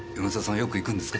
よく行くんですか？